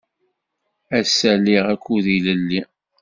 Ass-a, liɣ akud ilelli.